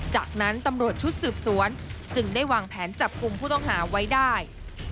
จากนั้นตำรวจชุดสืบสวนจึงได้วางแผนจับกลุ่มผู้ต้องหาไว้ได้